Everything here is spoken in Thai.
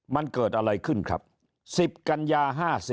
มันเกิดอะไรขึ้นครับ๑๐กันยา๕๔